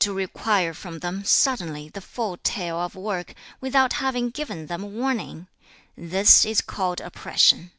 To require from them, suddenly, the full tale of work, without having given them warning; this is called oppression.